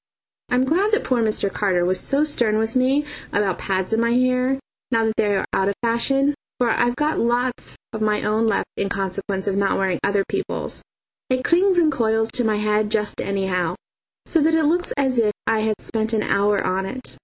I'm glad that poor Mr. Carter was so stern with me about pads in my hair, now that they are out of fashion, for I've got lots of my own left in consequence of not wearing other people's. It clings and coils to my head just anyhow, so that it looks as if I had spent an hour on it.